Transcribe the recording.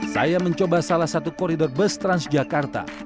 saya mencoba salah satu koridor bus transjakarta